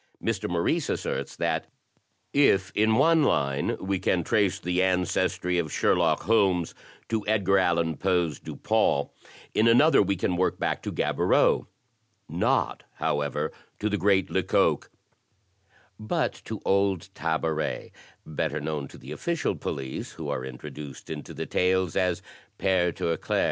Mr. Maurice asserts that, "If in one line we can trace the ancestry of Sherlock Holmes to Edgar Allan Poe's Dupin, in another we can work back to Gaboriau, not, however, to the great Lecoq, but to old Tabaret, better known to the official police who are introduced into the tales as Pere Tirauclair.